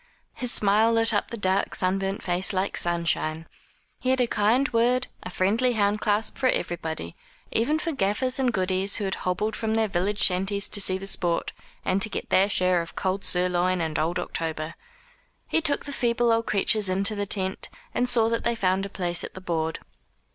His smile lit up the dark sunburnt face like sunshine. He had a kind word, a friendly hand clasp for everybody even for gaffers and goodies who had hobbled from their village shanties to see the sport, and to get their share of cold sirloin and old October. He took the feeble old creatures into the tent, and saw that they found a place at the board.